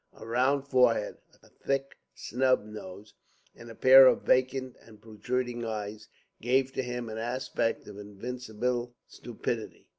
A round forehead, a thick snub nose, and a pair of vacant and protruding eyes gave to him an aspect of invincible stupidity.